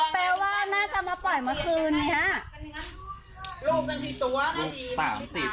เป็นว่าน่าจะมาปล่อยมาคืนนี้